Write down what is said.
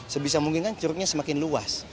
sebisa mungkin kan curugnya semakin luas